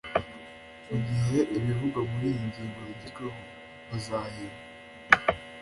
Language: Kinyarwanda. Mu gihe ibivugwa muri iyi ngingo bigezweho bazahemba